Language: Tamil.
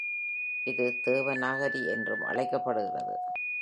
இது தேவநாகரி என்றும் அழைக்கப்படுகிறது.